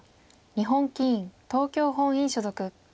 日本棋院東京本院所属。